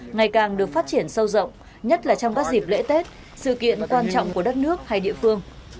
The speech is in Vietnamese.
ngày càng được phát triển sâu rộng nhất là trong các dịp lễ tết sự kiện quan trọng của đất nước hay địa phương